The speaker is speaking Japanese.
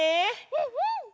うんうん！